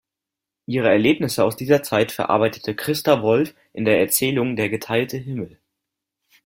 Ihre Erlebnisse aus dieser Zeit verarbeitete Christa Wolf in der Erzählung Der geteilte Himmel.